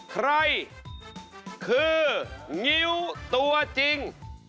ใครคืองิ้วตัวจริง